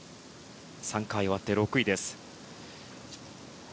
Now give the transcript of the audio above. ３回終わって６位です。